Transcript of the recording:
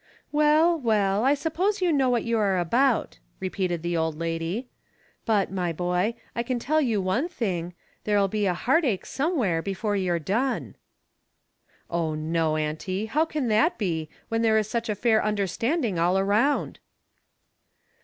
" Well, well ; I suppose you know what you are about," repeated the old lady. " But, my boy, I can tell you one thing — there'll be a heart ache somewhere before you're done." " Oh, no, Auntie. How can that be, when there is such a fair understanding all around?